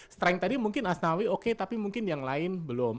strength tadi mungkin asnawi oke tapi mungkin yang lain belum